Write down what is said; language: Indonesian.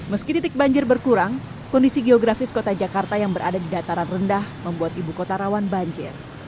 meski titik banjir berkurang kondisi geografis kota jakarta yang berada di dataran rendah membuat ibu kota rawan banjir